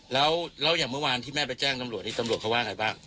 แล้วอย่างเมื่อวานที่แม่ไปแจ้งตำรวจนี่ตำรวจเขาว่าไงบ้าง